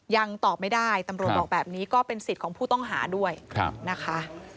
ยังตอบไม่ได้ตำรวจบอกแบบนี้ก็เป็นสิทธิ์ของผู้ต้องหาด้วยนะคะ